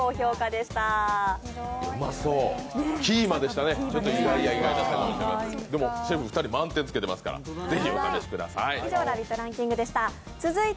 でも、シェフ２人が満点つけてますから、ぜひお試しください。